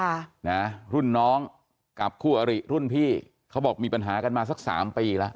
ค่ะนะรุ่นน้องกับคู่อริรุ่นพี่เขาบอกมีปัญหากันมาสักสามปีแล้ว